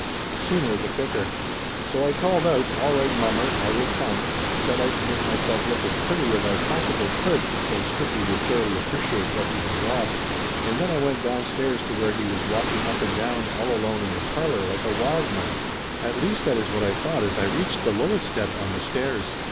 The sooner the quicker. So I called out "All right mommer I will come" and set out to make myself look as pretty as I possibly could so's Stricky would thoroughly appreciate what he had lost. And then I went slowly downstairs to where he was walking up and down all alone in the parlor like a wild man. At least that is what I thought as I reached the lowest step on the stairs.